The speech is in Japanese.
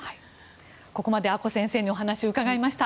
ここまで阿古先生にお話を伺いました。